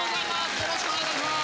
よろしくお願いします。